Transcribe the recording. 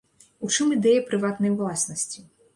У чым ідэя прыватнай ўласнасці?